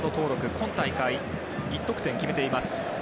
今大会、１得点決めています。